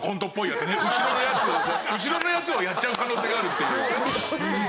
後ろのヤツを後ろのヤツをやっちゃう可能性があるっていう。